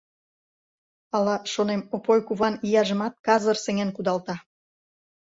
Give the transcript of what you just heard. Ала, шонем, Опой куван ияжымат казыр сеҥен кудалта.